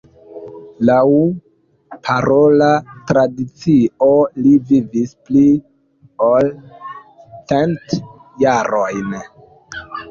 Laŭ parola tradicio, li vivis pli ol cent jarojn.